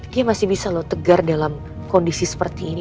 dia masih bisa loh tegar dalam kondisi seperti ini